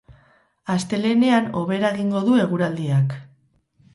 Astelehenean hobera egingo du eguraldiak.